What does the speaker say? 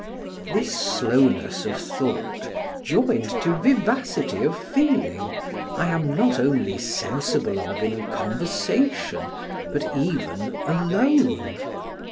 This slowness of thought, joined to vivacity of feeling, I am not only sensible of in conversation, but even alone.